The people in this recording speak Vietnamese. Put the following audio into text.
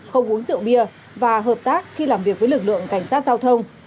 không uống rượu bia và hợp tác khi làm việc với lực lượng cảnh sát giao thông